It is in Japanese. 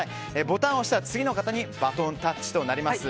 ボタンを押したら次の方にバトンタッチとなります。